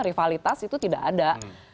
rivalitas itu tidak ada